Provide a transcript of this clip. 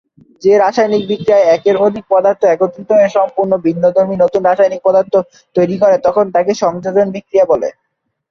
যে রাসায়নিক বিক্রিয়ায় একের অধিক পদার্থ একত্রিত হয়ে সম্পূর্ণ ভিন্নধর্মী নতুন রাসায়নিক পদার্থ তৈরি করে তখন তাকে সংযোজন বিক্রিয়া বলে।